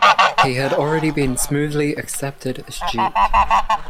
He had already been smoothly accepted as duke.